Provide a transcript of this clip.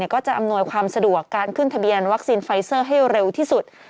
ก็จะอำนวยความสะดวกการขึ้นทะเบียนวัคซีนไฟเซอร์ให้เร็วที่สุด